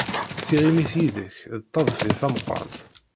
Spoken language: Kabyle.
Tiɣimit yid-k d taḍfi tameqrant.